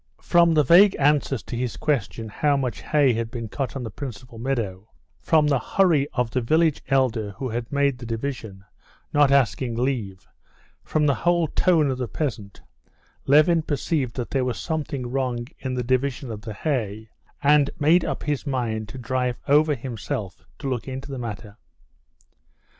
From the vague answers to his question how much hay had been cut on the principal meadow, from the hurry of the village elder who had made the division, not asking leave, from the whole tone of the peasant, Levin perceived that there was something wrong in the division of the hay, and made up his mind to drive over himself to look into the matter.